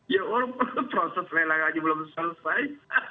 ya orang proses rela aja belum selesai